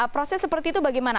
proses seperti itu bagaimana